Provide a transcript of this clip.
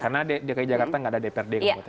karena dki jakarta tidak ada dprd kabupaten kota